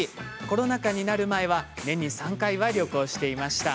コロナ禍になる前は年に３回は旅行していました。